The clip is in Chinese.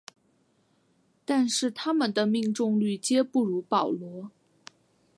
但是它们的命中率皆不如保罗。